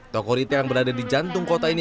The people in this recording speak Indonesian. toko retail yang berada di jantung kota ini